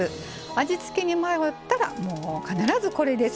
味付けに迷ったら、もう必ずこれです。